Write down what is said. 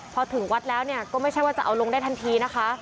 พอถึงวัดแล้วก็ไม่ใช่ว่าจะเอาลงได้ทันทีนะคะ